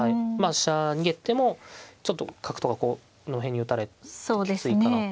飛車逃げてもちょっと角とかこの辺に打たれてきついかなと。